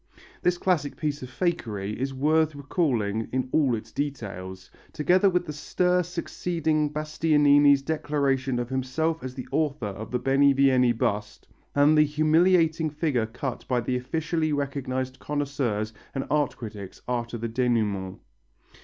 This classic piece of fakery is worth recalling in all its details, together with the stir succeeding Bastianini's declaration of himself as the author of the Benivieni bust and the humiliating figure cut by the officially recognized connoisseurs and art critics after the dénouement.